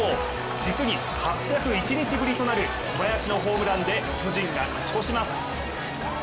実に８０１日ぶりとなる小林のホームランで巨人が勝ち越します。